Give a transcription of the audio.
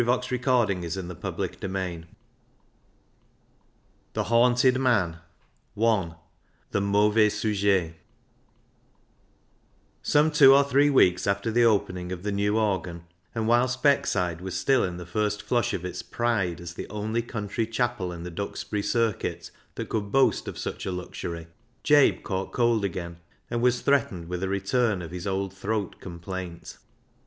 The Haunted Man I The Mauvais Sujet 371 The Haunted Man I The Mauvais Sujet Some two or three weeks after the opening of the new organ, and whilst Beckside was still in the first flush of its pride as the only country chapel in the Duxbury Circuit that could boast of such a luxury, Jabe caught cold again, and was threatened with a return of his old throat complaint.